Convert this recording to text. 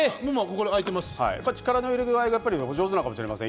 力の入れ具合がお上手なのかもしれません。